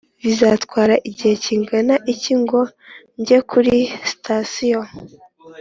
bizantwara igihe kingana iki ngo ngende kuri sitasiyo?